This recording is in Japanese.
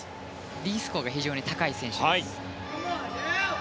Ｄスコアが非常に高い選手です。